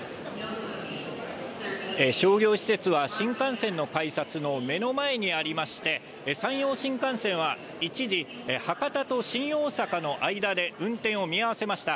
商業施設は新幹線の改札の目の前にありまして、山陽新幹線は、一時、博多と新大阪の間で運転を見合わせました。